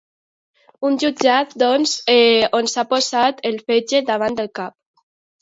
Un jutjat, doncs, on s'ha posat el fetge davant del cap.